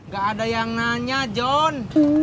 gak ada yang nanya john